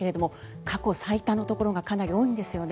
過去最多のところがかなり多いんですよね。